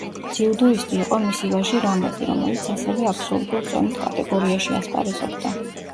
ძიუდოისტი იყო მისი ვაჟი რამაზი, რომელიც ასევე აბსოლუტურ წონით კატეგორიაში ასპარეზობდა.